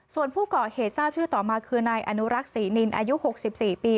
ส่วนผู้ก่อเหตุทราบชื่อต่อมาคือนายอนุรักษ์ศรีนินอายุ๖๔ปี